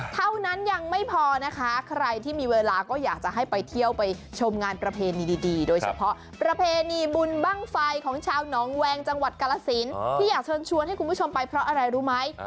เท่านั้นยังไม่พอนะคะใครที่มีเวลาก็อยากจะให้ไปเที่ยวไปชมงานประเพณีดีโดยเฉพาะประเพณีบุญบ้างไฟของชาวหนองแวงจังหวัดกาลสินที่อยากเชิญชวนให้คุณผู้ชมไปเพราะอะไรรู้ไหม